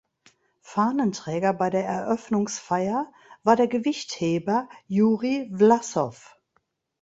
Fahnenträger bei der Eröffnungsfeier war der Gewichtheber Juri Wlassow.